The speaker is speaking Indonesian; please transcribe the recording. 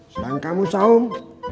sedangkan kamu sahum